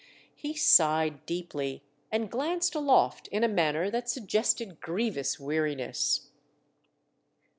He sighed deeply and glanced aloft in a manner that suggested grievous weariness.